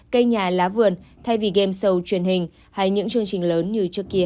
cây nhà lá vườn thay vì game show truyền hình hay những chương trình lớn như trước kia